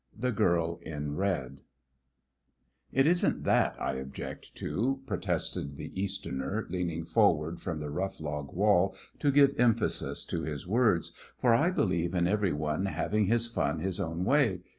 VII THE GIRL IN RED "It isn't that I object to," protested the Easterner, leaning forward from the rough log wall to give emphasis to his words, "for I believe in everyone having his fun his own way.